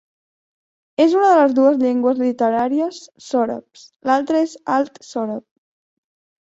És una de les dues llengües literàries sòrabs, l'altra és alt sòrab.